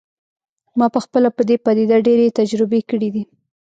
ما پخپله په دې پدیده ډیرې تجربې کړي دي